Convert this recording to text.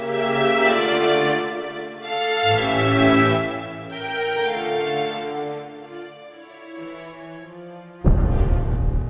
kayanya dewa satu